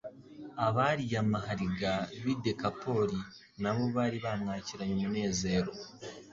Abariyamahariga b'i Dekapoli nabo bari bamwakiranye umunezero.